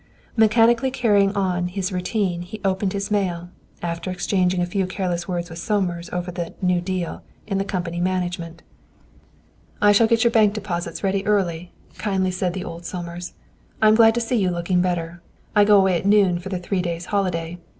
Mechanically carrying on his routine, he opened his mail, after exchanging a few careless words with Somers over the "new deal" in the company's management. "I shall get your bank deposits ready early," kindly said old Somers. "I'm glad to see you looking better. I go away at noon for the three days' holiday.